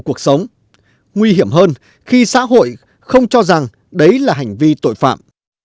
cuộc sống nguy hiểm hơn khi xã hội không cho rằng đấy là hành vi tội phạm